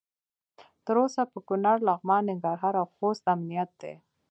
تر اوسه په کنړ، لغمان، ننګرهار او خوست امنیت دی.